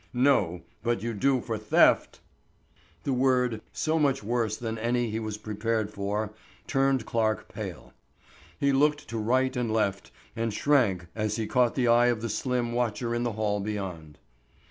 "No, but you do for theft." The word, so much worse than any he was prepared for, turned Clarke pale. He looked to right and left and shrank as he caught the eye of the slim watcher in the hall beyond.